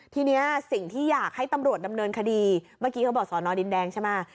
ทีนี้สิ่งที่อยากให้ตำรวจดำเนินคดีเมื่อกี้เขาบอกสอนอดินแดงใช่ไหม